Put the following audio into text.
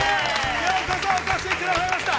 ようこそ、お越しくださいました。